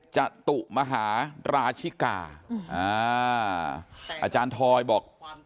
จตุมหาราชิกาอาจารย์ทอยบอก